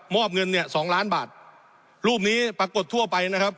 อบเงินเนี่ยสองล้านบาทรูปนี้ปรากฏทั่วไปนะครับ